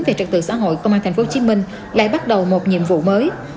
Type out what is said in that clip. về trật tự xã hội công an thành phố hồ chí minh lại bắt đầu một nhiệm vụ mới